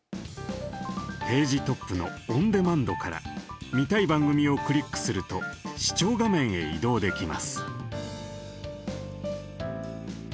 ページトップのオンデマンドから見たい番組をクリックすると視聴画面へ移動できます。